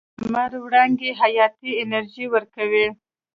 لمر وړانګې حیاتي انرژي ورکوي.